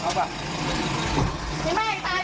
พี่แม่งตายตกผู้ชายกันล่ะ